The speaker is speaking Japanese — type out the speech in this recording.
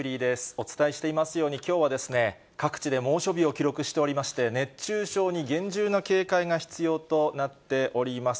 お伝えしていますように、きょうはですね、各地で猛暑日を記録しておりまして、熱中症に厳重な警戒が必要となっております。